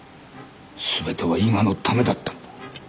全ては伊賀のためだったんだ。